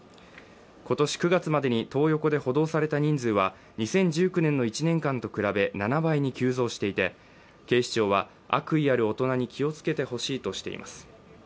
今年９月までにトー横で補導された人数は２０１９年の１年間に比べ７倍に急増していて、警視庁は、悪意ある大人に気をつけて欲しいとしています。